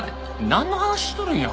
なんの話しとるんや？